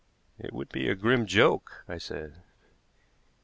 "It would be a grim joke," I said.